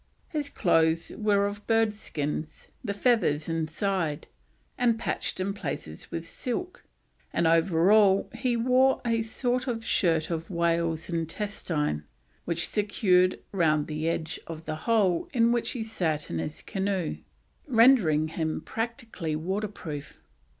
His clothes were of birds' skins, the feathers inside, and patched in places with silk, and over all he wore a sort of shirt of whale's intestine, which, secured round the edge of the hole in which he sat in his canoe, rendered him practically waterproof.